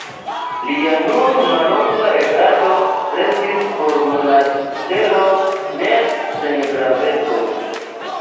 Lia nur mallonga regado restis por Monastero ne sen graveco.